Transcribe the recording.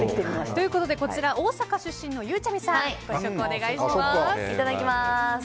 ということでこちら大阪出身のゆうちゃみさんご試食をお願いします。